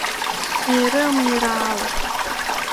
มีเรื่องมีราว